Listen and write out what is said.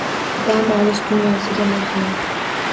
“Dam olish dunyosi”ga marhamat